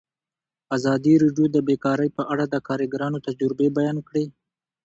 ازادي راډیو د بیکاري په اړه د کارګرانو تجربې بیان کړي.